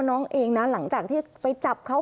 น้องเองนะหลังจากที่ไปจับเขา